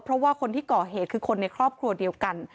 เพราะว่าคนที่ก่อเหตุคือคนในครอบครัวเดียวกัน